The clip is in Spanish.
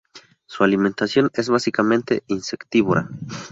Su alimentación es básicamente insectívora.